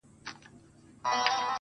o هغې ويل په پوري هـديــره كي ښخ دى .